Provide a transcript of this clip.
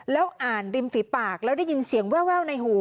แล้วอ่านริมฝีปากแล้วได้ยินเสียงแววในหู